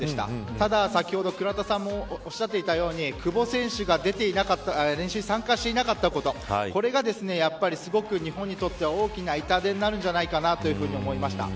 ただ先ほど、倉田さんもおっしゃっていたように久保選手が練習に参加していなかったことこれが、やはりすごく日本にとっては大きな痛手になるんじゃないかなと思いました。